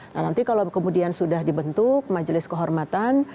nah nanti kalau kemudian sudah dibentuk majelis kehormatan